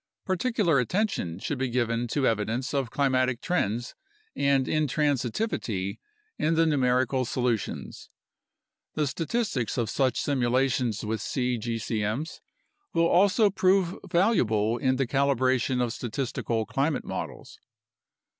Particular attention should be given to evidence of climatic trends and intransitivity in the numerical solu tions. The statistics of such simulations with cgcm's will also prove valuable in the calibration of statistical climate models.